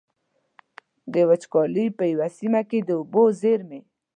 وچکالي په يوې سيمې کې د اوبو د زېرمو.